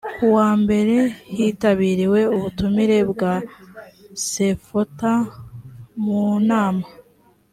ku wambere hitabiriwe ubutumire bwa sefota mu nama.